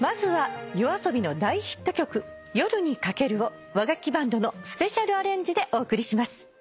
まずはＹＯＡＳＯＢＩの大ヒット曲『夜に駆ける』を和楽器バンドのスペシャルアレンジでお送りします。